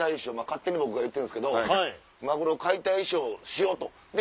勝手に僕が言ってるんですけどマグロ解体ショーしようと。